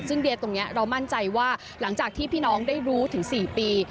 ซึ่งเดียตรงนี้เรามั่นใจว่าหลังจากที่พี่น้องได้รู้ถึง๔ปี